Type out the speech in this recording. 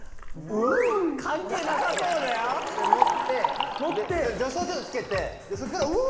ウ！関係なさそうだよ。持って助走ちょっとつけてそれからウ。